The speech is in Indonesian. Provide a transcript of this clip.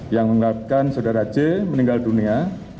yang mengungkapkan saudara j meninggal dunia